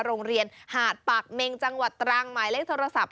โรงเรียนหาดปากเมงจังหวัดตรังหมายเลขโทรศัพท์